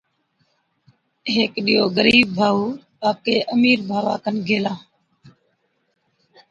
ھيڪي ڏِيئو غرِيب ڀائُو آپڪي امِير ڀاوا کن گيلا